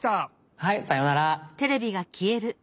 はいさようなら。